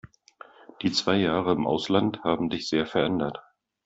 Die zwei Jahre im Ausland haben dich sehr verändert.